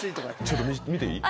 ちょっと見ていい？